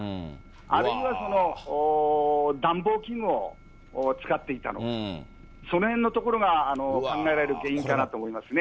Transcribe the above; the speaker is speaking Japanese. あるいは暖房器具を使っていたのか、そのへんのところが考えられる原因かなと思いますね。